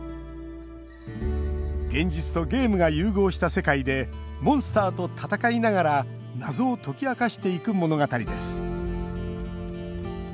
現実とゲームが融合した世界でモンスターと戦いながら謎を解き明かしていく物語です。